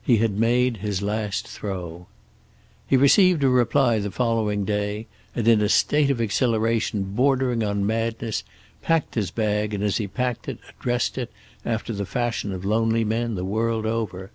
He had made his last throw. He received a reply the following day, and in a state of exhilaration bordering on madness packed his bag, and as he packed it addressed it, after the fashion of lonely men the world over.